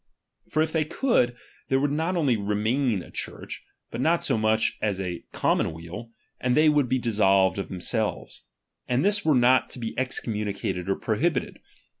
For if they could, there would not only not remain a Church, but not so much as a commonweal, and they would be dissolved of themselves ; and this were not to he CTComnninicated or prohibited.